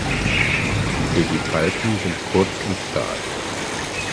Die Pedipalpen sind kurz und stark.